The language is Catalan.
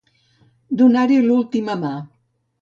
Donar-hi l'última mà.